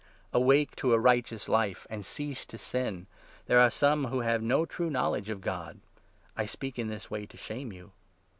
Awake to a righteous life, and cease to sin. There are some who have no true knowledge of God. I speak in this way to shame you.